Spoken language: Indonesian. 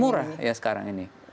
semakin murah sekarang ini